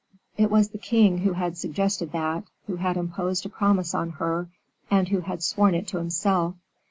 It was the king who had suggested that, who had imposed a promise on her, and who had sworn to it himself.